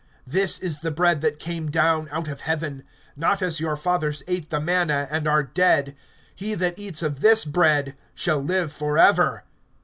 (58)This is the bread that came down out of heaven. Not as your fathers ate the manna, and are dead; he that eats of this bread shall live forever.